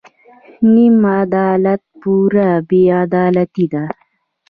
نیم عدالت پوره بې عدالتي ده.